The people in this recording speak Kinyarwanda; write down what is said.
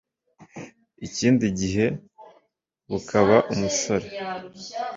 ikindi gihe bukaba umusore